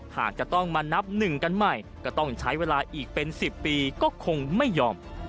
หากจะต้องมานับหนึ่งกันใหม่ก็ต้องใช้เวลาอีกเป็น๑๐ปีก็คงไม่ยอม